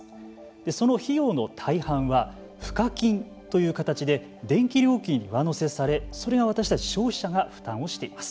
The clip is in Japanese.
その費用の大半は賦課金という形で電気料金に上乗せされそれは私たち消費者が負担をしています。